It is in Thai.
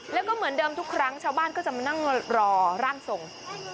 แล้วก็เหมือนเดิมทุกครั้งชาวบ้านก็จะมานั่งรอร่างทรง